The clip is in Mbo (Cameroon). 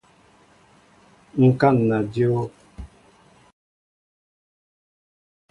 Ŋkana dyǒw.